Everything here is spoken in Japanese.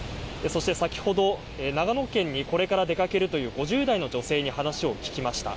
そして、先ほど長野県にこれから出かけるという５０代の女性に話を聞きました。